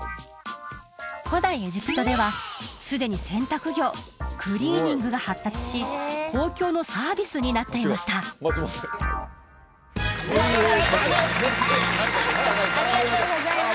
古代エジプトではすでに洗濯業クリーニングが発達し公共のサービスになっていましたということですねありがとうございます